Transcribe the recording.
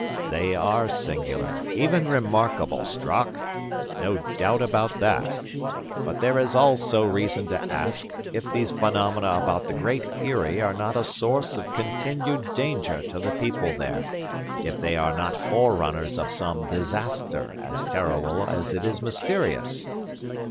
"They are singular, even remarkable, Strock. No doubt about that. But there is also reason to ask, if these phenomena about the Great Eyrie are not a source of continued danger to the people there, if they are not forerunners of some disaster as terrible as it is mysterious."